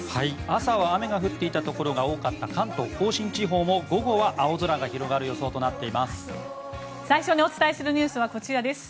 朝は雨が降っていたところが多かった関東・甲信地方も午後は青空が広がる予想となっています。